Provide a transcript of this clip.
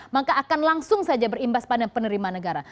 maka akan langsung saja berimbas pada penerimaan negara